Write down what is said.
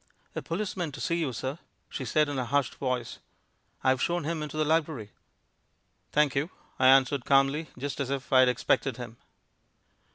"A policeman to see you, sir," she said, in a hushed voice. "I've shown him into the library." "Thank you," I answered calmly, just as if I had expected him.